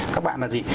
các bạn là gì